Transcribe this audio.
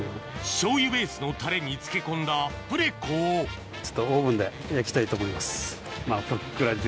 醤油ベースのタレに漬け込んだプレコをオーブンで焼きたいと思います。